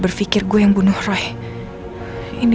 saya tidak bisa menanggung anda setelah seperti ini